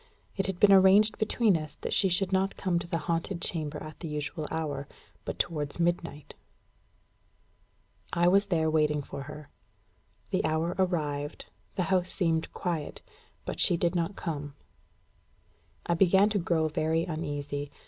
It had been arranged between us that she should not come to the haunted chamber at the usual hour, but towards midnight. I was there waiting for her. The hour arrived; the house seemed quiet; but she did not come. I began to grow very uneasy.